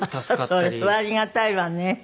それはありがたいわね。